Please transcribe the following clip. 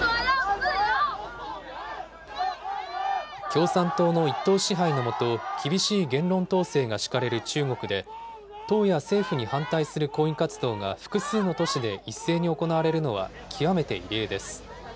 共産党の一党支配の下、厳しい言論統制が敷かれる中国で、党や政府に反対する抗議活動が複数の都市で一斉に行われるのは極めて異例です。